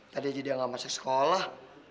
tadi aja dia nggak masuk sekolah